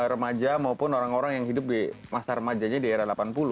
remaja maupun orang orang yang hidup di masa remajanya di era delapan puluh